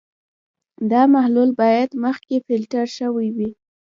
دا محلول باید مخکې فلټر شوی وي.